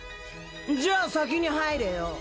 じゃあ先に入れよ。